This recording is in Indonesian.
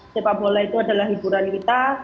sepak bola itu adalah hiburan kita